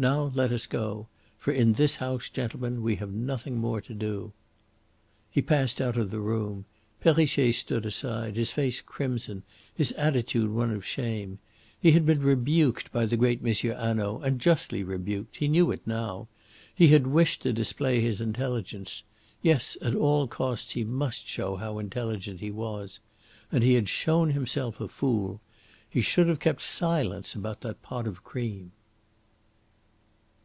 Now let us go. For in this house, gentlemen, we have nothing more to do." He passed out of the room. Perrichet stood aside, his face crimson, his attitude one of shame. He had been rebuked by the great M. Hanaud, and justly rebuked. He knew it now. He had wished to display his intelligence yes, at all costs he must show how intelligent he was. And he had shown himself a fool. He should have kept silence about that pot of cream.